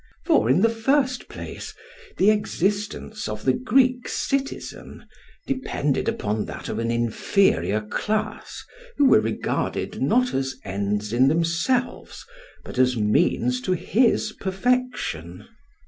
For in the first place, the existence of the Greek citizen depended upon that of an inferior class who were regarded not as ends in themselves, but as means to his perfection.